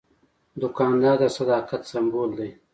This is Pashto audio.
دوکاندار د صداقت سمبول دی.